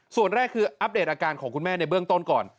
ส่วนแรกคืออัปเดตอาการของคุณแม่ในเบื้องต้นก่อน